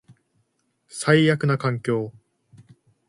最悪な環境